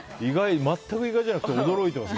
全く意外じゃなくて驚いてます